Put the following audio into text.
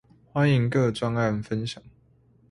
歡迎各專案分享